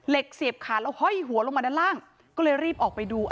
เสียบขาแล้วห้อยหัวลงมาด้านล่างก็เลยรีบออกไปดู